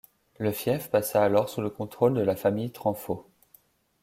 Le fief passa alors sous le contrôle de la famille Tranfo.